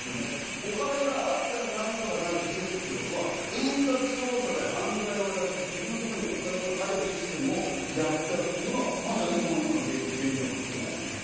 お金があったら何とかなる施設ということは、遠隔操作で犯罪をやらせて、自分のところにお金が入るシステムをやったというのはまさにこの今の現状ですよね。